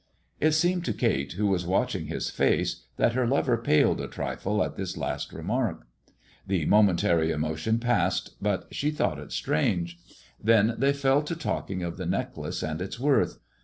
It seemed to Kate, who was watching his face, that her lover paled a trifle at this last remark. The momentary emotion passed, but she thought it strange. Then they fell to talking of the necklace and its worth.